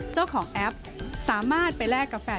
เจ้าของแอปสามารถไปแลกกาแฟ